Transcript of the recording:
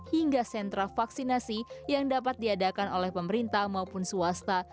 hingga sentra vaksinasi yang dapat diadakan oleh pemerintah maupun swasta